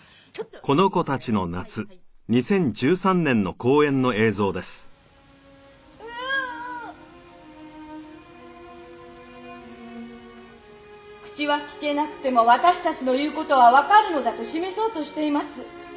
「家に帰ろうよ」「ううー」「口は利けなくても私たちの言う事はわかるのだと示そうとしています」